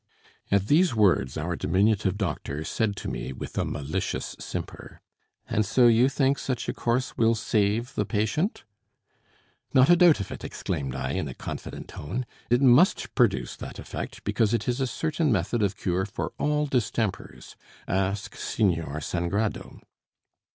At these words, our diminutive doctor said to me, with a malicious simper, "And so you think such a course will save the patient?" "Not a doubt of it," exclaimed I in a confident tone; "it must produce that effect, because it is a certain method of cure for all distempers. Ask Señor Sangrado."